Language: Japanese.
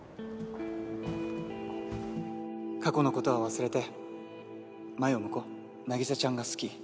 過去のことは忘れて前を向こう凪沙ちゃんが好き